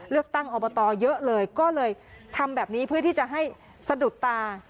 เลือกตั้งอบตเยอะเลยก็เลยทำแบบนี้เพื่อที่จะให้สะดุดตา